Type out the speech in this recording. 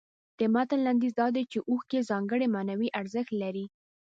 د متن لنډیز دا دی چې اوښکې ځانګړی معنوي ارزښت لري.